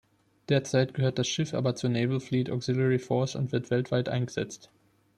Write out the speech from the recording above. Derzeit gehört das Schiff aber zur Naval Fleet Auxiliary Force und wird weltweit eingesetzt.